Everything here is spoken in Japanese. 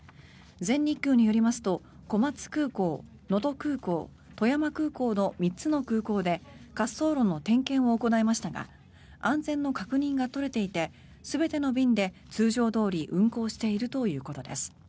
全日空によりますと小松空港、能登空港富山空港の３つの空港で滑走路の点検を行いましたが安全の確認が取れていて全ての便で通常どおり運航しているということです。